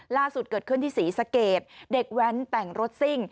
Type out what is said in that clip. ล่าสุดเกิดขึ้นที่ศรีสะเกดเด็กแว้นแต่งรถซิ่ง